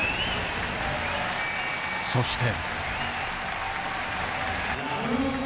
そして。